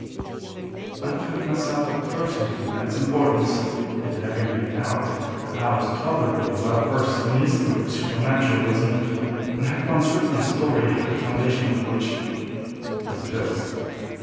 I found myself a person of immense importance, it having leaked out that I was tolerably well versed in the history of supernaturalism, and had once written a story the foundation of which was a ghost.